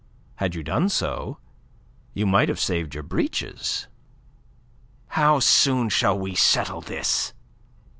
Had you done so, you might have saved your breeches." "How soon shall we settle this?"